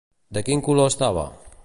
De quin color estava?